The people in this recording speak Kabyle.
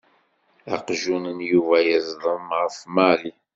Aqjun n Yuba yeẓḍem f Mary.